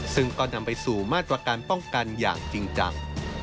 ซึ่งก็นำไปสู่มาตรการป้องกันอย่างจริงจัง